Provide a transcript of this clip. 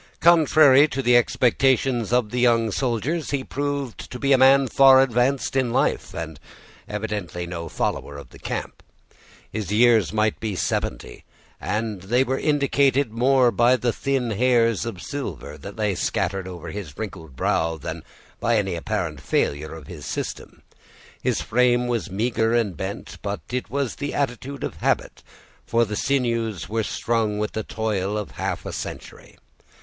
Contrary to the expectations of the young soldiers, he proved to be a man far advanced in life, and evidently no follower of the camp. His years might be seventy, and they were indicated more by the thin hairs of silver that lay scattered over his wrinkled brow, than by any apparent failure of his system. His frame was meager and bent; but it was the attitude of habit, for his sinews were strung with the toil of half a century.